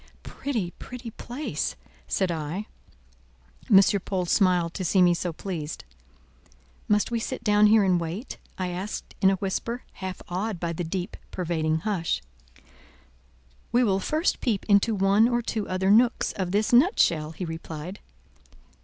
"Pretty, pretty place!" said I. M. Paul smiled to see me so pleased. "Must we sit down here and wait?" I asked in a whisper, half awed by the deep pervading hush. "We will first peep into one or two other nooks of this nutshell," he replied.